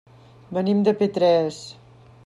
Venim de Petrés.